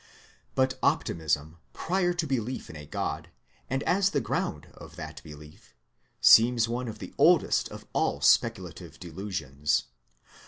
But optimism prior to belief in a God, and as the ground of that belief, seems one of the oddest of all speculative delusions.